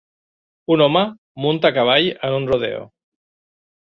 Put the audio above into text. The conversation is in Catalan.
Un home munta a cavall en un rodeo.